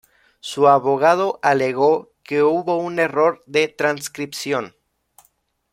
Su abogado alegó que hubo un error de transcripción.